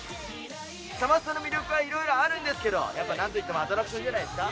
サマステの魅力は色々あるんですけどやっぱなんといってもアトラクションじゃないですか？